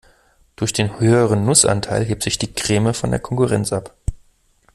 Durch den höheren Nussanteil hebt sich die Creme von der Konkurrenz ab.